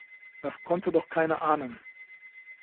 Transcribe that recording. Das konnte doch keiner ahnen!